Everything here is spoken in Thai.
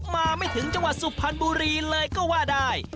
มาไม่ถึงจังหวัดสุพรรณบุรีเลยก็ว่าได้